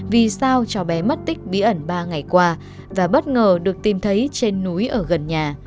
vì sao cháu bé mất tích bí ẩn ba ngày qua và bất ngờ được tìm thấy trên núi ở gần nhà